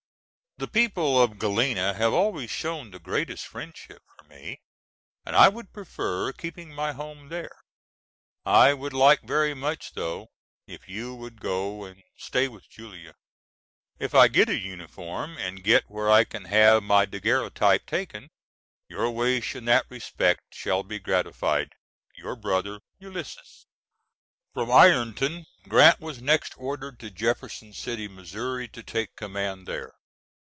The people of Galena have always shown the greatest friendship for me and I would prefer keeping my home there. I would like very much though, if you would go and stay with Julia. If I get a uniform and get where I can have my daguerreotype taken, your wish in that respect shall be gratified. Your Brother ULYS. [From Ironton, Grant was next ordered to Jefferson City, Mo., to take command there.